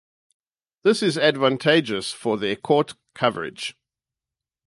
This is advantageous for their court coverage.